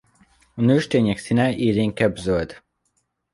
A nőstények színe élénkebb zöld.